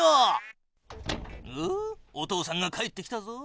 おっお父さんが帰ってきたぞ。